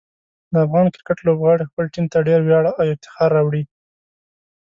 د افغان کرکټ لوبغاړي خپل ټیم ته ډېر ویاړ او افتخار راوړي.